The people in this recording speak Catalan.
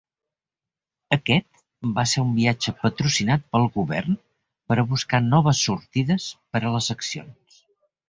Aquest va ser un viatge patrocinat pel govern per a buscar noves "sortides" per a les accions.